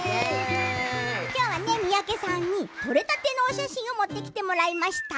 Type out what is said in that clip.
今日は三宅さんに撮れたてのお写真を持ってきてもらいました。